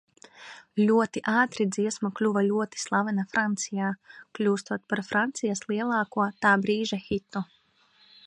Ļoti ātri dziesma kļuva ļoti slavena Francijā, kļūstot par Francijas lielāko tā brīža hitu.